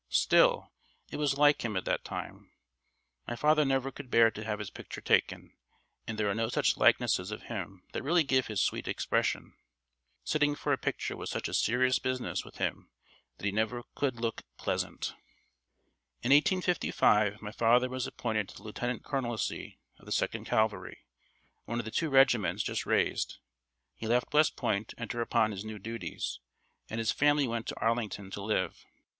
Still, it was like him at that time. My father never could bear to have his picture taken, and there are no likenesses of him that really give his sweet expression. Sitting for a picture was such a serious business with him that he never could "look pleasant." In 1855 my father was appointed to the lieutenant colonelcy of the Second Cavalry, one of the two regiments just raised. He left West Point to enter upon his new duties, and his family went to Arlington to live.